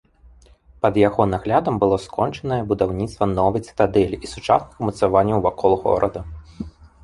Пад яго наглядам было скончанае будаўніцтва новай цытадэлі і сучасных умацаванняў вакол горада.